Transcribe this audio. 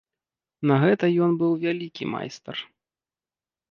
На гэта ён быў вялікі майстар.